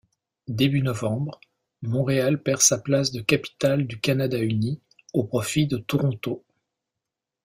Début novembre, Montréal perd sa place de capitale du Canada-Uni au profit de Toronto.